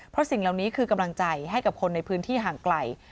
เพราะสิ่งเหล่านี้คือกำลังใจให้กับคนในพื้นที่ห่างไกล